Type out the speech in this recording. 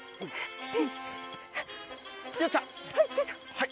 はい！